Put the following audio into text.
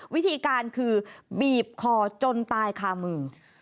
วิธีการคือบีบคอจนตายคามือ